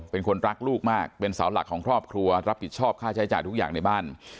เป็นคนรักลูกมากเป็นเสาหลักของครอบครัวรับผิดชอบค่าใช้จ่ายทุกอย่างในบ้าน